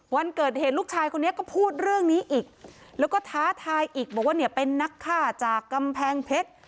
วันเกิดเหตุลูกชายคนนี้ก็พูดเรื่องนี้อีกแล้วก็ท้าทายอีกบอกว่าเนี่ยเป็นนักฆ่าจากกำแพงเพชร